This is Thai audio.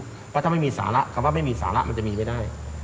เพราะถ้าไม่มีสาระคำว่าไม่มีสาระมันจะมีไม่ได้